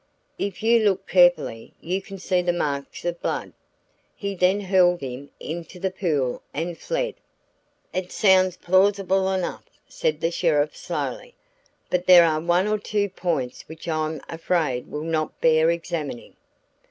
If you look carefully you can see the marks of blood. He then hurled him into the pool and fled." "It sounds plausible enough," said the sheriff slowly, "but there are one or two points which I'm afraid will not bear examining.